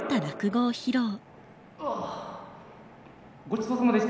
ああごちそうさまでした。